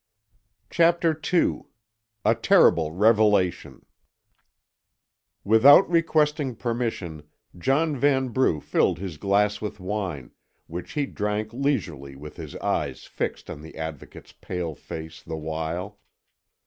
CHAPTER II A TERRIBLE REVELATION Without requesting permission, John Vanbrugh filled his glass with wine, which he drank leisurely with his eyes fixed on the Advocate's pale face the while.